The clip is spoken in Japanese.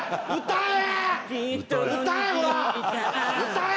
歌え！